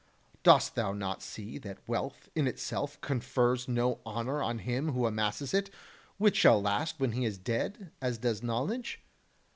Dost thou not see that wealth in itself confers no honour on him who amasses it, which shall last when he is dead, as does knowledge?